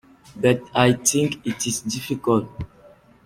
But I think it is difficult.